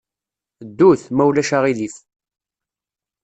Ddut, ma ulac aɣilif.